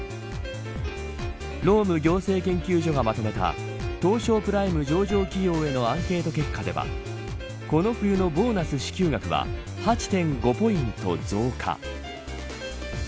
労務行政研究所がまとめた東証プライム上場企業へのアンケート結果ではこの冬のボーナス支給額は８．５ポイント増加。